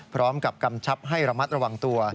พร้อมกับกำชับให้ระมัดระวังตัว